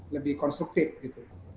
lebih konstruktif gitu